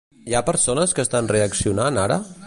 Hi ha persones que estan reaccionant ara?